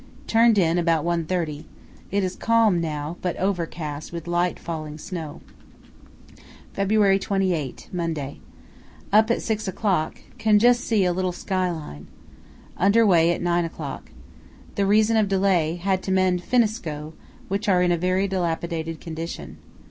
Turned in about 1.30. It is now calm, but overcast with light falling snow. "February 28, Monday.—Up at 6 o'clock; can just see a little sky line. Under way at 9 o'clock. The reason of delay, had to mend finneskoe, which are in a very dilapidated condition.